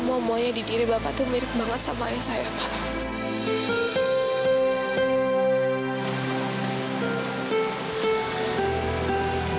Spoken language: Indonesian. karena semua emonya di diri bapak itu mirip banget sama ayah saya pak